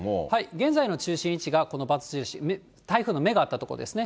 現在の中心位置がこの×印、台風の目があった所ですね。